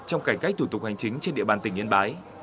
trong cảnh cách thủ tục hành chính trên địa bàn tỉnh yến bái